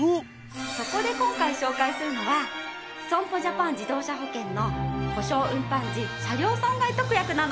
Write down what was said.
そこで今回紹介するのは損保ジャパン自動車保険の故障運搬時車両損害特約なの。